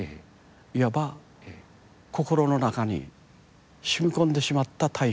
いわば心の中に染み込んでしまった体質。